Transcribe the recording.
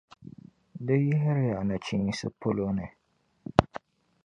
Di yihiri ya nachinsi polo ni